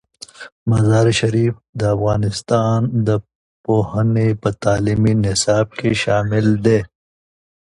مزارشریف د افغانستان د پوهنې په تعلیمي نصاب کې شامل دی.